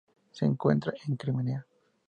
Se encuentra en Crimea.